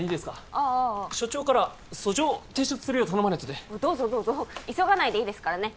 ああ所長から訴状提出するよう頼まれててどうぞどうぞ急がないでいいですからね